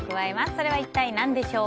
それは一体何でしょう？